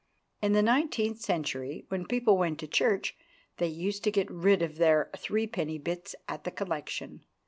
In the nineteenth century, when people went to church, they used to get rid of their threepenny bits at the collection.